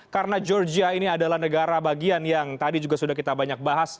karena georgia ini adalah negara bagian yang tadi juga sudah kita banyak bahas